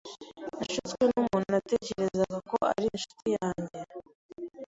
Nashutswe numuntu natekerezaga ko ari inshuti yanjye.